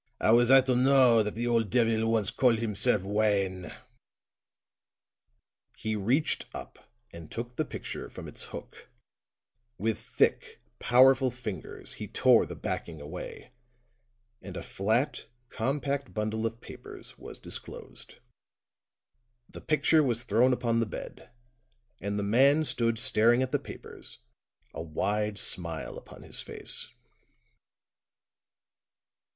"How was I to know that the old devil once called himself Wayne!" He reached up and took the picture from its hook; with thick, powerful fingers he tore the backing away, and a flat, compact bundle of papers was disclosed. The picture was thrown upon the bed, and the man stood staring at the papers, a wide smile upon his face.